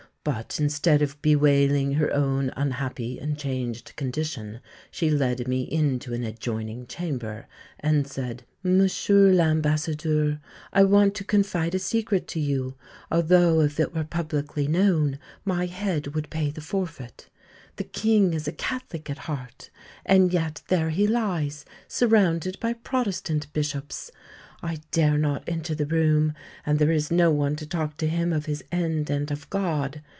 But, instead of bewailing her own unhappy and changed condition, she led me into an adjoining chamber and said: 'M. l'Ambassadeur, I want to confide a secret to you, although if it were publicly known my head would pay the forfeit. The King is a Catholic at heart, and yet there he lies surrounded by Protestant bishops. I dare not enter the room, and there is no one to talk to him of his end and of God.